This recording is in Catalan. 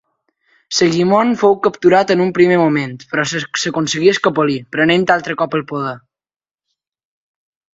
Segimon fou capturat en un primer moment però s'aconseguí escapolir, prenent altre cop el poder.